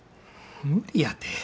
無理やて。